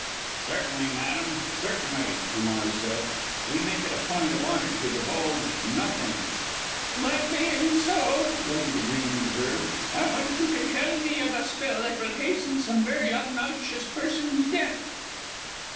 "Certainly, madam, certainly!" Hamar said. "We make it a point of honour to divulge nothing!" "That being so," Lady De Greene observed, "I want you to tell me of a spell that will hasten some very obnoxious person's death."